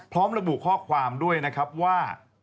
พร้อมระบุข้อความด้วยนะครับว่า